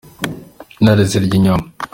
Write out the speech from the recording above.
Intare zirya inyama.